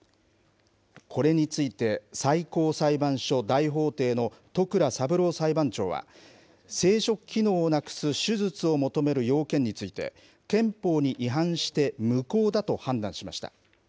これについて、最高裁判所大法廷の戸倉三郎裁判長は、生殖機能をなくす手術を求める要件について憲法に違反して無効だと判断しました。